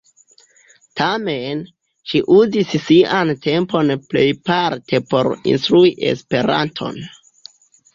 Tamen, ŝi uzis sian tempon plejparte por instrui Esperanton.